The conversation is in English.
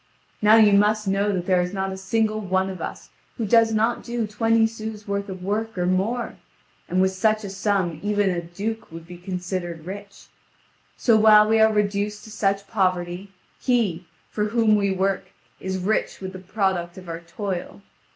Now you must know that there is not a single one of us who does not do twenty sous worth of work or more, and with such a sum even a duke would be considered rich. So while we are reduced to such poverty, he, for whom we work, is rich with the product of our toil.